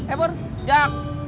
eh pur jak